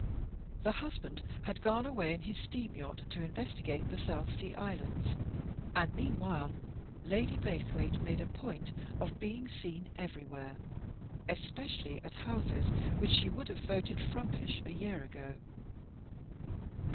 241 The husband had gone away in his steam yacht to investigate the South Sea Islands, and meanwhile Lady Blaythewaite made a point of being seen everywhere, especially at houses which she would have voted " frump ish " a year ago.